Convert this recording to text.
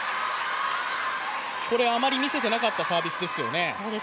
これあまり見せてなかったサービスですよね。